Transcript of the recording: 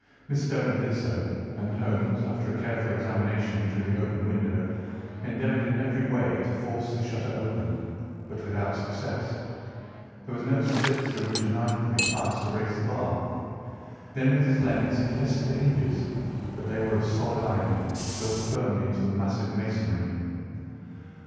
Miss Stoner did so, and Holmes, after a careful examination through the open window, endeavoured in every way to force the shutter open, but without success. There was no slit through which a knife could be passed to raise the bar. Then with his lens he tested the hinges, but they were of solid iron, built firmly into the massive masonry.